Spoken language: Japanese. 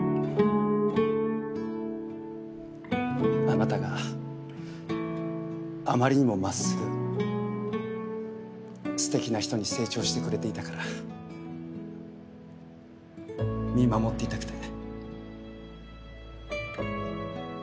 あなたがあまりにも真っすぐすてきな人に成長してくれていたから見守っていたくて。